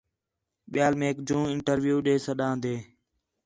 ٻِیال میک جوں انٹرویو ݙے سداندیں